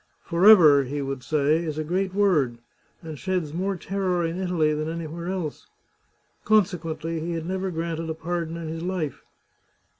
" Forever," he would say, " is a great word, and sheds more terror in Italy than anywhere else." Con sequently he had never granted a pardon in his life.